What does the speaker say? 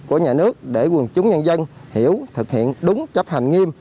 của nhà nước để quần chúng nhân dân hiểu thực hiện đúng chấp hành nghiêm